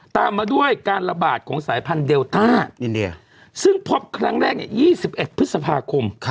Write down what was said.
ตามมาด้วยการระบาดของสายพันธุเดลต้าซึ่งพบครั้งแรก๒๑พฤษภาคม